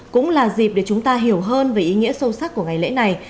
cũng là dịp để chúng ta hiểu hơn về ý nghĩa sâu sắc của ngày lễ này